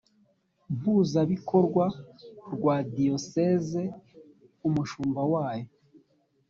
mpuzabikorwa rwa diyoseze umushumba wayo